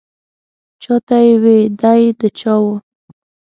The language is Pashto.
چا ته یې وې دی د چا و.